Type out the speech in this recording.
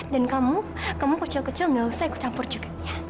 dan kamu kamu kecil kecil nggak usah ikut campur juga ya